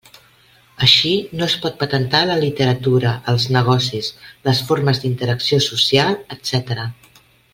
Així, no es pot patentar la literatura, els negocis, les formes d'interacció social, etc.